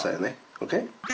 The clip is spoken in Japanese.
ＯＫ？